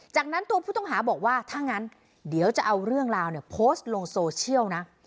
จากนั้นตัวผู้ต้องหาบอกว่าถ้างั้นเดี๋ยวจะเอาเรื่องราวเนี่ยโพสต์ลงโซเชียลนะ